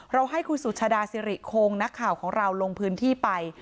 เราให้คุณสุชดาซิริยริขงนักข่าวแล้วลงพื้นที่ไป